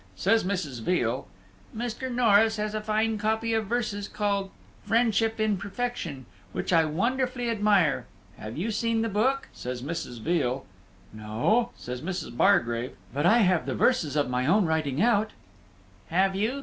Says Mrs. Veal, "Mr. Norris has a fine copy of verses, called Friendship in Perfection, which I wonderfully admire. Have you seen the book?" says Mrs. Veal. "No," says Mrs. Bargrave, "but I have the verses of my own writing out." "Have you?"